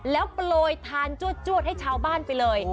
แล้วโปรยทานจวดให้ชาวบ้านไปเลย